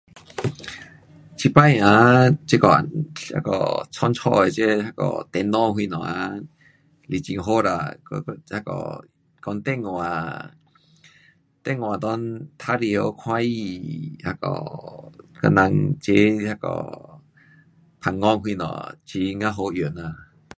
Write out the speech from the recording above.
这次啊，这个那个创造这那个电脑什么啊，是很好啦，那个讲电话，电话内玩耍，看戏，那个跟人齐那个旁讲什么，很呀好用呐。